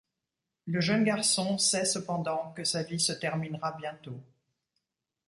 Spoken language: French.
Le jeune garçon sait cependant que sa vie se terminera bientôt.